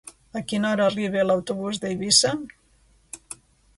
A quina hora arriba l'autobús d'Eivissa?